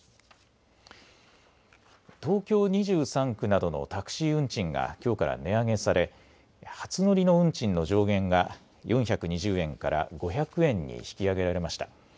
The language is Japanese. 東京２３区などのタクシー運賃がきょうから値上げされ初乗りの運賃の上限が４２０円から５００円に引き上げられました。